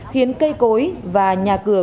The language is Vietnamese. khiến cây cối và nhà cửa